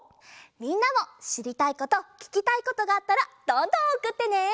みんなもしりたいことききたいことがあったらどんどんおくってね！